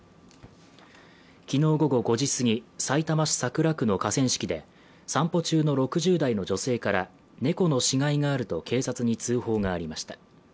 昨日、午後５時すぎさいたま市桜区の河川敷で散歩中の６０代の女性から猫の死骸があると警察に通報がありました。